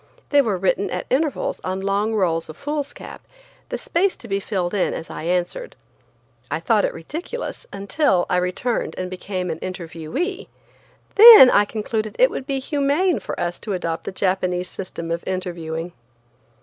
They were written at intervals on long rolls of foolscap, the space to be filled in as I answered. I thought it ridiculous until I returned and became an interviewee. Then I concluded it would be humane for us to adopt the Japanese system of interviewing.